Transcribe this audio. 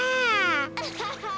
アハハハ！